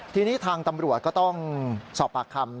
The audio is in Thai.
ทีนี้ทางตำรวจก็ต้องสอบปากคำ